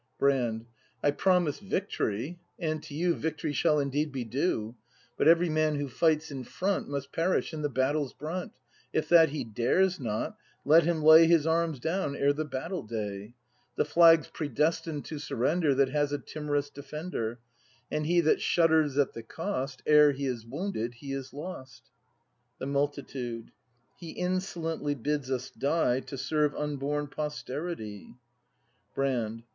Brand. I promised victory, — and to you Victory shall indeed be due. But every man who fights in front Must perish in the battle's brunt; If that he dares not, let him lay His arms down ere the battle day. The flag's predestined to surrender That has a timorous defender; And he that shudders at the Cost, Ere he is wounded, he is lost. The Multitude. He insolently bids us die To serve unborn posterity! ^ Brand.